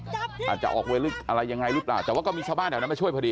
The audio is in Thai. นี่อาจจะออกไว้อะไรยังไงหรือเปล่าแต่ว่าก็มีสามารถแถวนั้นมาช่วยพอดี